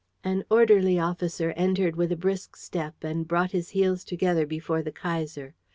An orderly officer entered with a brisk step and brought his heels together before the Kaiser.